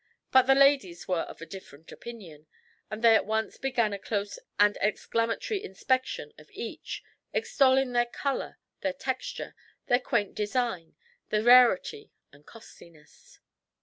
But the ladies were of a different opinion, and they at once began a close and exclamatory inspection of each, extolling their colour, their texture, their quaint designs, their rarity and costliness.